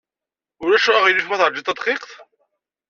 Ulac aɣilif ma teṛjiḍ tadqiqt?